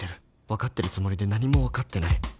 分かってるつもりで何も分かってない